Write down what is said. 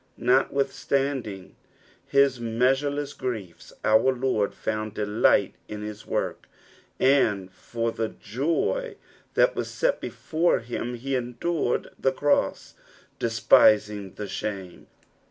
Notwithstand ing his measureless griefs, our Lord found delight in his work, and for " the yty that was set before him he endured the cross, despising the shame."